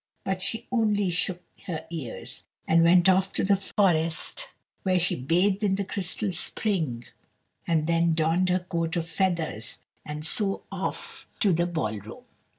But she only shook her ears, and went off to the forest, where she first bathed in the crystal spring, and then donned her coat of feathers, and so off to the ball room.